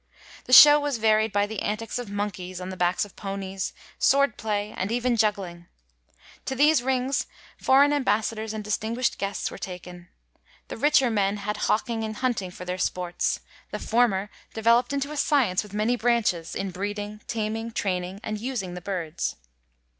The show was varied by the antics of monkeys on the backs of ponies, swordplay, and even juggling. To these rings foreign ambassadors and distinguisht guests were taken. The richer men had hawking and hunting for their si)orts,— the former developt into a science with many branches, in breeding, taming, training, and using the birds.